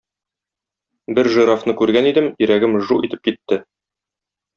Бер жирафны күргән идем, йөрәгем жу итеп китте.